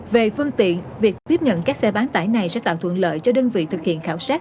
về phương tiện việc tiếp nhận các xe bán tải này sẽ tạo thuận lợi cho đơn vị thực hiện khảo sát